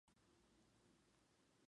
El desembarco fue cancelado.